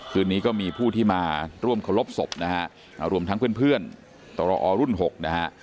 คืนนี้ก็มีผู้ที่มาร่วมเคารพศพนะฮะรวมทั้งเพื่อนตรอรุ่น๖นะฮะ